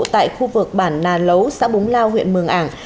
tại khu vực bản nà lấu xã búng lao huyện mường ảng